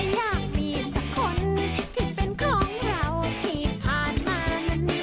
อยากมีสักคนที่เป็นของเราที่ผ่านมา